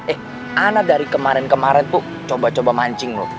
eh ana dari kemarin kemarin tuh coba coba mancing loh